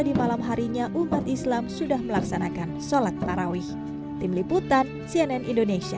di malam harinya umat islam sudah melaksanakan sholat tarawih tim liputan cnn indonesia